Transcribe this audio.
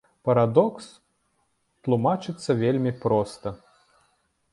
Парадокс тлумачыцца вельмі проста.